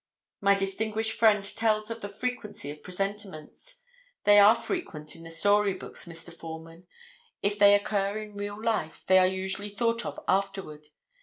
My distinguished friend tells of the frequency of presentiments. They are frequent in the storybooks, Mr. Foreman. If they occur in real life they are usually thought of afterward.